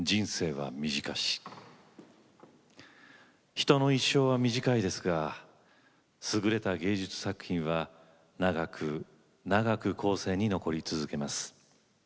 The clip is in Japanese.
人の一生は短いですが優れた芸術作品は長く、長く後世に残り続けます。